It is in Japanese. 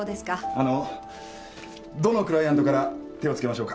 あのどのクライアントから手を付けましょうか？